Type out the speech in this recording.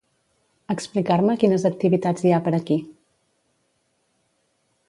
Explicar-me quines activitats hi ha per aquí.